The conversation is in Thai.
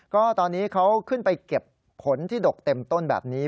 ก็ตอนนี้เขาขึ้นไปเก็บผลที่ดกเต็มต้นแบบนี้